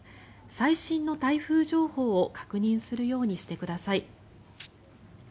最新の台風情報を確認するようにしてください。